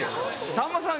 さんまさん